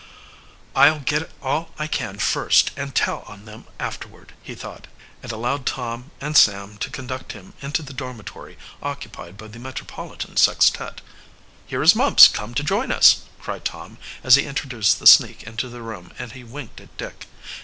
"I'll get all I can first and tell on them afterward," he thought, and allowed Tom, and Sam to conduct him into the dormitory occupied by the Metropolitan Sextet. "Here is Mumps come to join us!" cried Tom, as he introduced the sneak into the room and he winked at Dick.